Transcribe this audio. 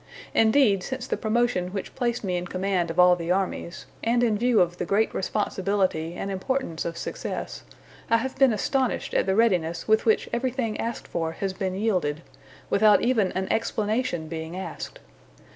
Indeed, since the promotion which placed me in command of all the armies, and in view of the great responsibility and importance of success, I have been astonished at the readiness with which everything asked for has been yielded, without even an explanation being asked.